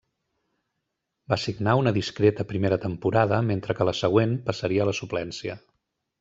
Va signar una discreta primera temporada, mentre que la següent passaria a la suplència.